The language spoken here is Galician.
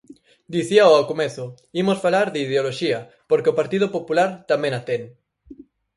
Dicíao ao comezo, imos falar de ideoloxía, porque o Partido Popular tamén a ten.